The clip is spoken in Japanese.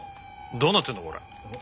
どうなってんだ？